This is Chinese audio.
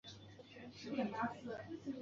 中国大陆女演员。